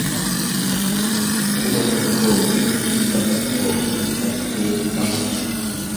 kuma tokkoo fi dhibba tokkoo fi saddeettama